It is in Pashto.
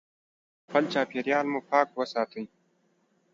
خپل چاپیریال مو پاک وساتئ.